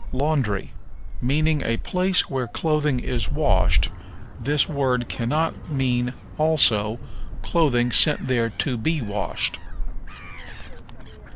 Laundry. Meaning a place where clothing is washed, this word cannot mean, also, clothing sent there to be washed.